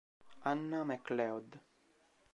Hannah Macleod